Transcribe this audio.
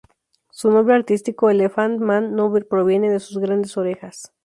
Su nombre artístico ‘Elephant Man’no proviene de sus grandes orejas.